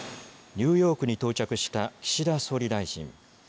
ニューヨークに到着した岸田総理大臣。